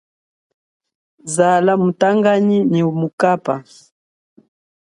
Zala mutanganyi nyi mukaba.